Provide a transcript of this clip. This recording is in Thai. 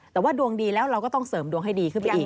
แต่ว่าดวงดีแล้วเราก็ต้องเสริมดวงให้ดีขึ้นไปอีก